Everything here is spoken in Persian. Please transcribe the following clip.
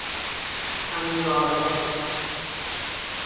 امیرآرمن